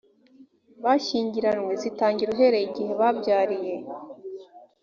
bashyingiranywe zitangira uhereye igihe babyariye